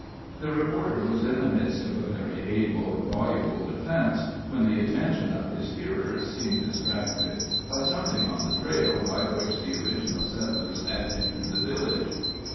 The reporter was in the midst of a very able and voluble defense, when the attention of his hearers seemed distracted by something on the trail by which the original settlers had entered the village.